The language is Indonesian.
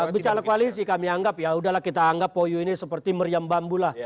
bicara koalisi kami anggap yaudahlah kita anggap puyo ini seperti meriam bambu lah